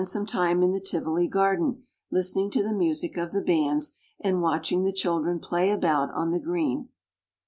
some time in the Tivoli Garden listening to the music of the bands and watching the children play about on the green.